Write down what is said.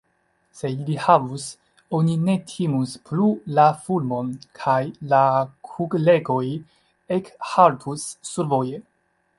Se ili havus, oni ne timus plu la fulmon, kaj la kuglegoj ekhaltus survoje.